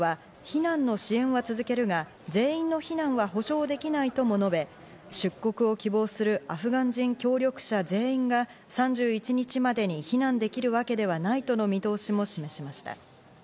また大統領は、避難の支援は続けるが全員の避難は保証できないとも述べ、出国を希望するアフガン人協力者全員が３１日までに避難できるわけではないとの見通しも示しました。